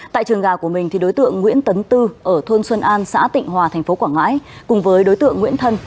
tại trường gà của mình đối tượng nguyễn tấn tư ở thôn xuân an xã tịnh hòa tp quảng ngãi cùng với đối tượng nguyễn thân